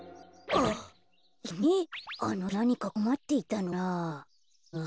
あのひとなにかこまっていたのかなあ。